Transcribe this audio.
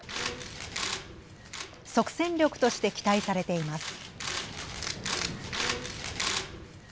即戦力として期待されています。